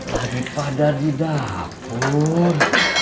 lagi padar di dapur